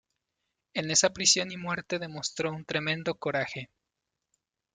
En esa prisión y muerte demostró un tremendo coraje.